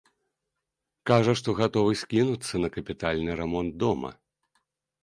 Кажа, што гатовы скінуцца на капітальны рамонт дома.